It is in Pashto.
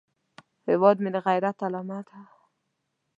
هیواد مې د غیرت علامه ده